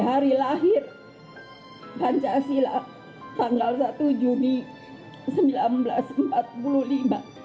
hari lahir pancasila tanggal satu juni seribu sembilan ratus empat puluh lima